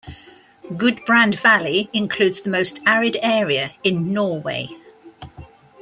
Gudbrand Valley includes the most arid area in Norway.